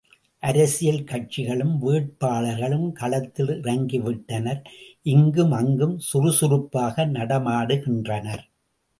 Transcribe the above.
அரசியல் கட்சிகளும் வேட்பாளர்களும் களத்தில் இறங்கிவிட்டனர் இங்கும் அங்கும் சுறுசுறுப்பாக நடமாடுகின்றனர்!